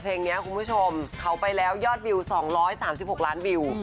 เพลงนี้คุณผู้ชมเขาไปแล้วยอดวิว๒๓๖ล้านวิว